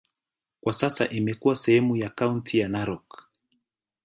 Kwa sasa imekuwa sehemu ya kaunti ya Narok.